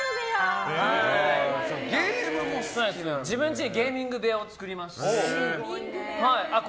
自分ちにゲーミング部屋を作りまして。